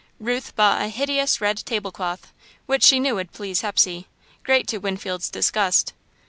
Ruth bought a hideous red table cloth, which she knew would please Hepsey, greatly to Winfield's disgust.